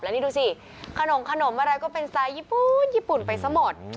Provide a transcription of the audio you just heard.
แล้วนี่ดูสิขนมอะไรก็เป็นไซส์ญี่ปุ่นญี่ปุ่นไปซะหมด